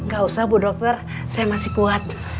gak usah bu dokter saya masih kuat